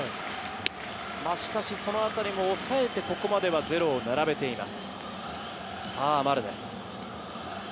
しかしそのあたりも抑えてここまでは０を並べています。